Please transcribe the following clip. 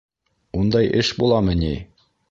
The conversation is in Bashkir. Ундай эш буламы ни?